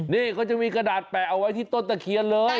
นี่เขาจะมีกระดาษแปะเอาไว้ที่ต้นตะเคียนเลย